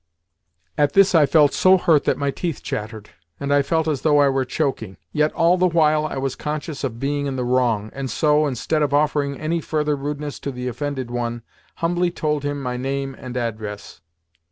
At this I felt so hurt that my teeth chattered, and I felt as though I were choking. Yet all the while I was conscious of being in the wrong, and so, instead of offering any further rudeness to the offended one, humbly told him my name and address.